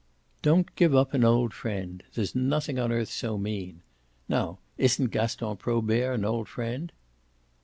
"'Don't give up an old friend there's nothing on earth so mean.' Now isn't Gaston Probert an old friend?"